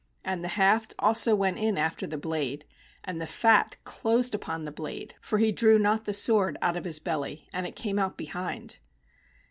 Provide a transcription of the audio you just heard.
22And the haft also went in after the blade; and the fat closed upon the blade, for he drew not the sword, out of his belly; and it came out behind.